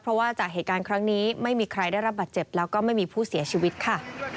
เพราะว่าจากเหตุการณ์ครั้งนี้ไม่มีใครได้รับบาดเจ็บแล้วก็ไม่มีผู้เสียชีวิตค่ะ